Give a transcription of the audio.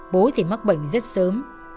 bố thì mắc bệnh rất sớm